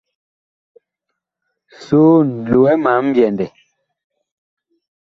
Soon, lowɛ ma mbyɛndɛ.